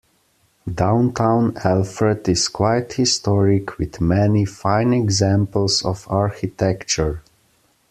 Downtown Alfred is quite historic with many fine examples of architecture.